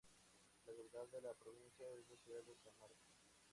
La capital de la provincia es la ciudad de San Marcos.